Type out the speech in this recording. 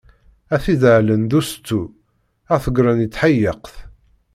Ad t-id-ɛellen d ustu, ad t-gren i tḥayekt.